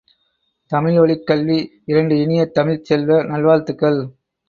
தமிழ்மொழிவழிக் கல்வி இரண்டு இனிய தமிழ்ச் செல்வ, நல்வாழ்த்துக்கள்!